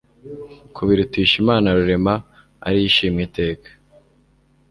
kubirutisha Imana Rurema ari yo ishimwa iteka